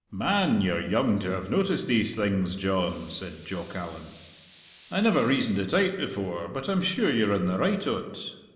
"Man, you're young to have noticed these things, John," said Jock Allan. "I never reasoned it out before, but I'm sure you're in the right o't."